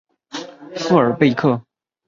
富尔贝克。